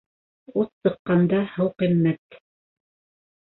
Ут сыҡҡанда һыу ҡиммәт.